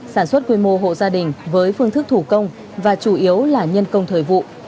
sản xuất quy mô hộ gia đình với phương thức thủ công và chủ yếu là nhân công thời vụ